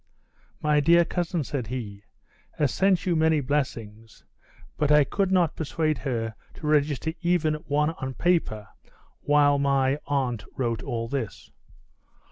"My dear cousin," said he, "has sent you many blessings; but I could not persuade her to register even one on paper while my aunt wrote all this.